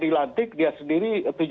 dilantik dia sendiri tujuh puluh lima